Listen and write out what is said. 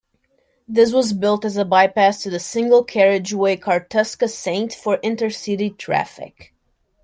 This was built as a bypass to the single-carriageway Kartuska Saint for intercity traffic.